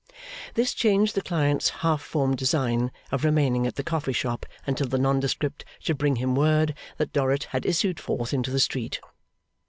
This changed the client's half formed design of remaining at the coffee shop until the nondescript should bring him word that Dorrit had issued forth into the street.